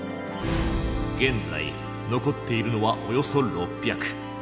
現在残っているのはおよそ６００。